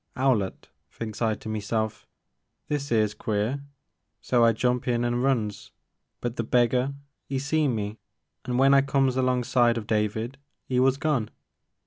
'Owlett, thinks I to meself, this *ere *s queer, so I jumps in an* runs, but the beggar *e seen me an* w*en I comes alongside of David, *e was gone.